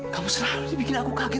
kamu selalu bikin aku kaget